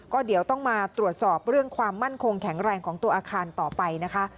ก็เดี๋ยวต้องมาตรวจสอบเรื่องความมั่นคงแข็งแรงของตัวอาคารต่อไปนะคะ